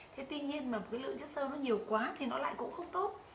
thế tuy nhiên mà cái lượng chất sơ nó nhiều quá thì nó lại cũng không tốt